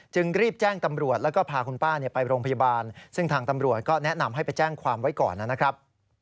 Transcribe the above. รีบแจ้งตำรวจแล้วก็พาคุณป้าไปโรงพยาบาลซึ่งทางตำรวจก็แนะนำให้ไปแจ้งความไว้ก่อนนะครับ